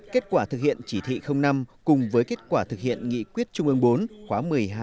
kết quả thực hiện chỉ thị năm cùng với kết quả thực hiện nghị quyết trung ương bốn khóa một mươi hai